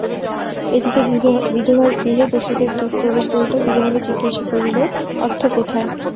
এ দিকে বিধবার গৃহে দস্যুদের দূত প্রবেশ করিল, বিধবাকে জিজ্ঞাসা করিল অর্থ কোথায়?